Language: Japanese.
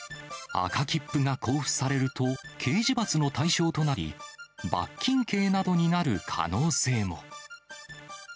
赤切符が交付されると、刑事罰の対象となり、罰金刑などになる可能性も。